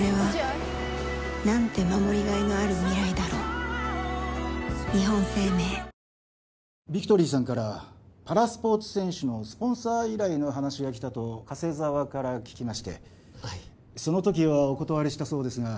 トニックの前にはシャンプーもビクトリーさんからパラスポーツ選手のスポンサー依頼の話がきたと加瀬沢から聞きましてはいその時はお断りしたそうですが